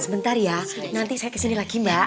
sebentar ya nanti saya kesini lagi mbak